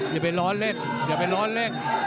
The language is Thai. อย่าไปล้อเล่นอย่าไปร้อนเล่น